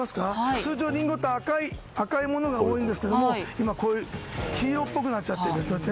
通常、リンゴって赤いものが多いんですけれども黄色っぽくなっちゃってます。